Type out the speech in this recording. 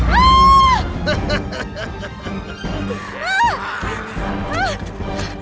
aku akan membantumu